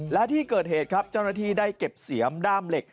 และที่เกิดเหตุครับเจ้าหน้าที่ได้เก็บเสียมด้ามเหล็ก